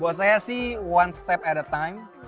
buat saya sih one step at a time